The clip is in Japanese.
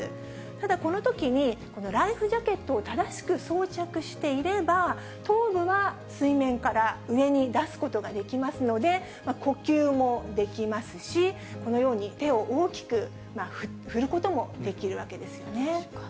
ただ、このときにライフジャケットを正しく装着していれば、頭部は水面から上に出すことができますので、呼吸もできますし、このように手を大きく振ることもできるわけですよね。